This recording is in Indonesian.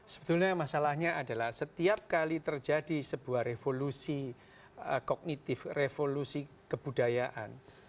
sebetulnya masalahnya adalah setiap kali terjadi sebuah revolusi kognitif revolusi kebudayaan